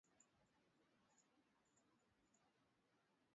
Kuna dhana mbili kinzani kuhusu jinsi Karume alivyouawa